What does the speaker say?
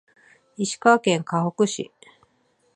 石川県かほく市